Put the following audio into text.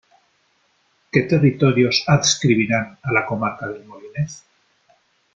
¿Qué territorios adscribirán a la comarca del Molinés?